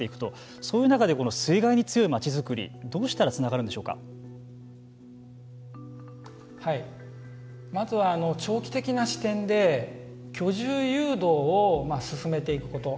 その中で、水害に強い町づくりどうしたらまずは長期的な視点で居住誘導を進めていくこと。